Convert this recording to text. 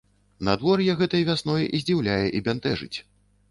Надвор'е гэтай вясной здзіўляе і бянтэжыць.